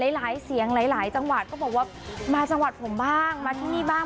หลายเสียงหลายจังหวัดก็บอกว่ามาจังหวัดผมบ้างมาที่นี่บ้าง